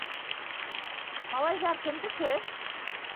Малайҙар кемдеке?